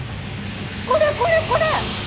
これこれこれ！